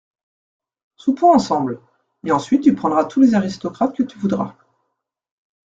Soupons ensemble, et ensuite tu prendras tous les aristocrates que tu voudras.